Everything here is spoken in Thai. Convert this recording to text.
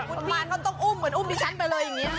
คุณป้าเขาต้องอุ้มเหมือนอุ้มดิฉันไปเลยอย่างนี้